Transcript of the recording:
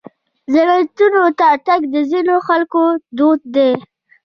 زیارتونو ته تګ د ځینو خلکو دود دی.